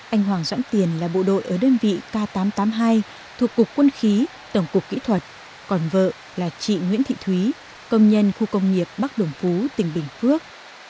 anh hoàng doãn tiền là bộ đội ở đơn vị k tám trăm tám mươi hai thuộc cục quân khí tổng cục kỹ thuật còn vợ là chị nguyễn thị thúy công nhân khu công nghiệp bắc đồng phú tỉnh bình phước